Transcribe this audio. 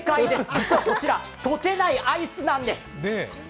実はこちら溶けないアイスなんです。